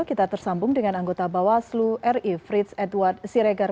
kita tersambung dengan anggota bawaslu ri frits edward siregar